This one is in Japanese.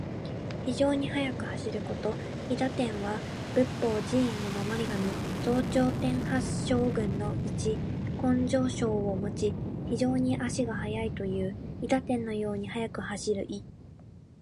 非常に速く走ること。「韋駄天」は仏法・寺院の守り神。増長天八将軍の一。金剛杵をもち、非常に足が速いという。韋駄天のように速く走る意。